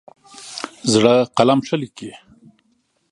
زړه قلم ښه لیکي.